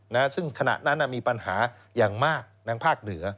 นะฮะซึ่งขณะนั้นมีปัญหาอย่างมากทางภาคเหนือ